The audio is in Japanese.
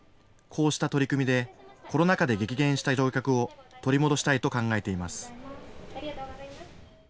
こうした取り組みで、コロナ禍で激減した乗客を取り戻したいと考えています。